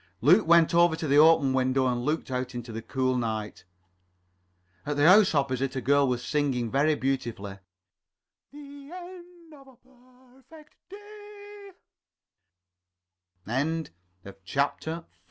Luke went over to the open window and looked out into the cool night. At the house opposite a girl was singing very beautifully "The End of